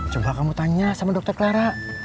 coba kamu tanya sama dokter clara